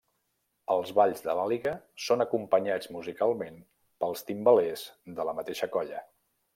Els balls de l'Àliga són acompanyats musicalment pels timbalers de la mateixa colla.